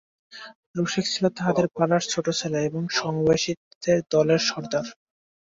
রসিক ছিল তাহাদের পাড়ার ছোটো ছেলে এবং সমবয়সীদের দলের সর্দার।